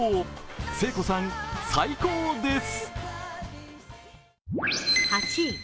聖子さん、最高です！